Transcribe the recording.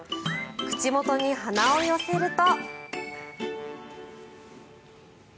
口元に鼻を寄せると。